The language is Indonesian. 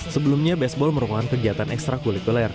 sebelumnya baseball merupakan kegiatan ekstra kulikuler